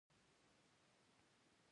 واوره د افغانستان د شنو سیمو یوه ښکلا ده.